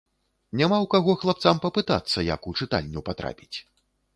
Няма ў каго хлапцам папытацца, як у чытальню патрапіць.